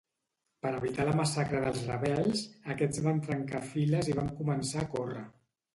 Per evitar la massacre dels rebels, aquests van trencar files i van començar a córrer.